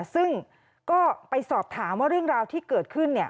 ซึ่งก็ไปสอบถามว่าเรื่องราวที่เกิดขึ้น